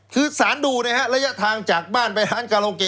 คือสารดูระยะทางจากบ้านไปร้านคาโรเก